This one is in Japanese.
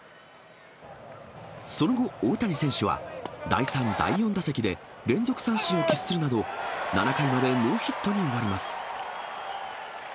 その後、大谷選手は、第３、第４打席で、連続三振を喫するなど、７回までノーヒットに終わります。